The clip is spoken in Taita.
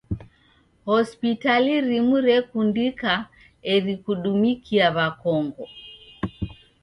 Hospitali rimu rekundika eri kudumikia w'akongo.